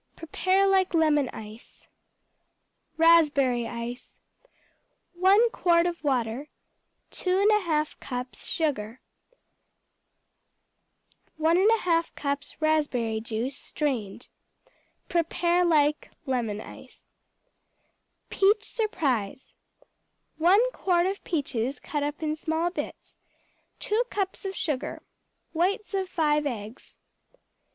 Prepare like lemon ice. Raspberry Ice 1 quart of water. 2 1/2 cups sugar. 1 1/2 cups raspberry juice, strained. Prepare like lemon ice. Peach Surprise 1 quart of peaches cut up in small bits. 2 cups of sugar. Whites of five eggs.